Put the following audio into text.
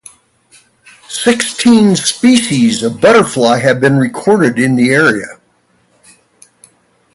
Sixteen species of butterfly have been recorded in the area.